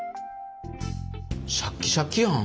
シャキシャキやん。